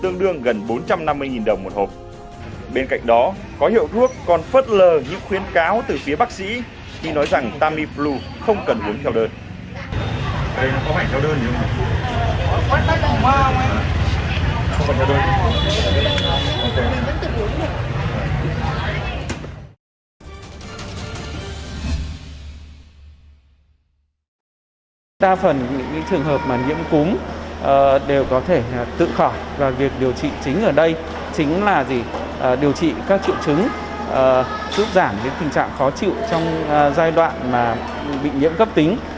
những trường hợp mà nhiễm cúm đều có thể tự khỏi và việc điều trị chính ở đây chính là điều trị các triệu chứng giúp giảm những tình trạng khó chịu trong giai đoạn bị nhiễm cấp tính